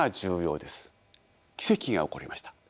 奇跡が起こりました。